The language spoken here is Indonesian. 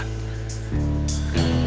nunggu dua siap sebenernya